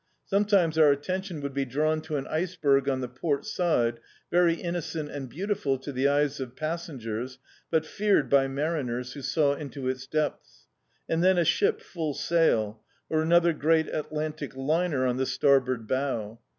Sometimes our attmtion would be drawn to an ice berg on the port side, very innocent and beautiful to the eyes of passengers, but feared by mariners, who saw into its depths. And then a ship full sail ; or another great Adantic liner on the starboard bow.